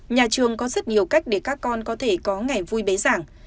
nhà trường có rất nhiều cách để các con có thể có ngày vui bế giảng